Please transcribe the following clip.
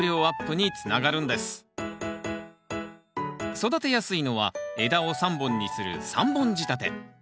育てやすいのは枝を３本にする３本仕立て。